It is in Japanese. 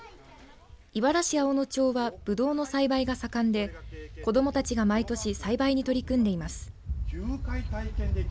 井原市青野町はぶどうの栽培が盛んで子どもたちが毎年栽培に取り組んでいます。